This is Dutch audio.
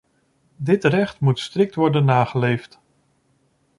Dit recht moet strikt worden nageleefd.